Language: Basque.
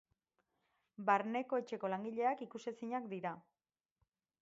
Barneko etxeko langileak ikusezinak dira.